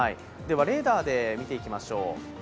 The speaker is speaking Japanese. レーダーで見ていきましょう。